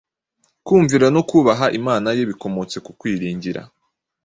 kumvira no kubaha Imana ye bikomotse ku kwiringira,